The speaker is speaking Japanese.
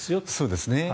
そうですね。